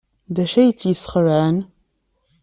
D acu ay tt-yesxelɛen?